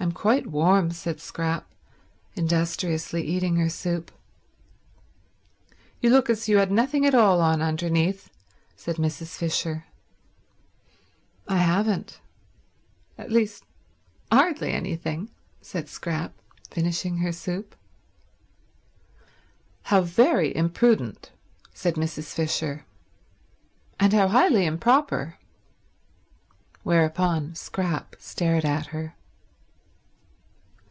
"I'm quite warm," said Scrap, industriously eating her soup. "You look as if you had nothing at all on underneath," said Mrs. Fisher. "I haven't. At least, hardly anything," said Scrap, finishing her soup. "How every imprudent," said Mrs. Fisher, "and how highly improper." Whereupon Scrap stared at her.